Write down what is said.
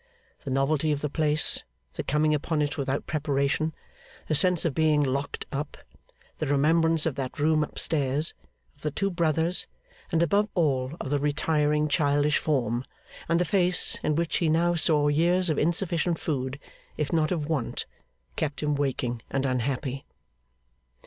The novelty of the place, the coming upon it without preparation, the sense of being locked up, the remembrance of that room up stairs, of the two brothers, and above all of the retiring childish form, and the face in which he now saw years of insufficient food, if not of want, kept him waking and unhappy.